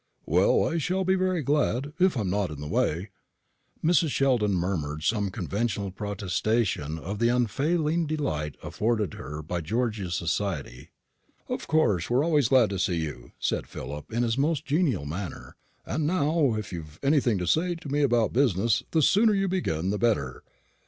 "Well, I shall be very glad, if I'm not in the way." Mrs. Sheldon murmured some conventional protestation of the unfailing delight afforded to her by George's society. "Of course we're always glad to see you," said Philip in his most genial manner; "and now, if you've anything to say to me about business, the sooner you begin the better.